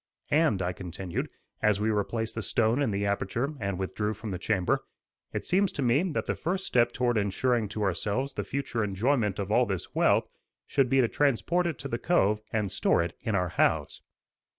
"And," I continued, as we replaced the stone in the aperture and withdrew from the chamber, "it seems to me that the first step toward ensuring to ourselves the future enjoyment of all this wealth, should be to transport it to the cove and store it in our house."